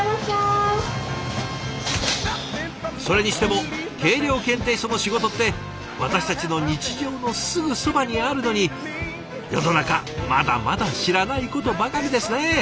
それにしても計量検定所の仕事って私たちの日常のすぐそばにあるのに世の中まだまだ知らないことばかりですね。